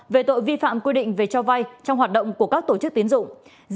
về tội vi phạm quy định về cho vay trong hoạt động của các tổ chức tiến dụng